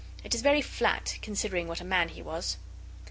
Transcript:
It is very flat, considering what a man he was.